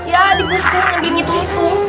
ya dibutuhin dibungkit bungtuhin